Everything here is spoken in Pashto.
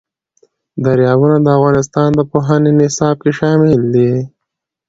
دریابونه د افغانستان د پوهنې نصاب کې شامل دي.